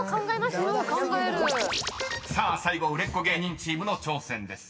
［さあ最後売れっ子芸人チームの挑戦です］